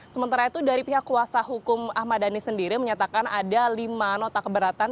sementara itu dari pihak kuasa hukum ahmad dhani sendiri menyatakan ada lima nota keberatan